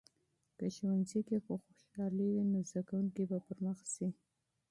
که ښوونځي کې خوشالي وي، نو زده کوونکي به پرمخ ځي.